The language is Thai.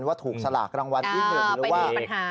ว่าถูกสลักรางวัลที่หนึ่ง